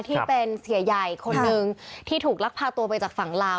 ที่เป็นเสียใหญ่คนหนึ่งที่ถูกลักพาตัวไปจากฝั่งลาว